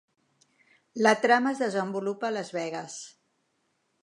La trama es desenvolupa a Las Vegas.